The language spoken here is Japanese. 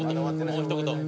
もうひと言。